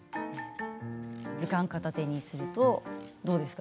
図鑑を片手にするとどうですか？